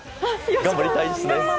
頑張りたいですね。